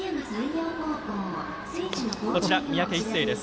こちら三宅一誠です。